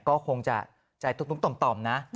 ก็คงจะใจตมนะ